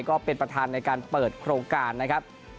ก็เป็นประธานในการเปิดโครงการนะครับ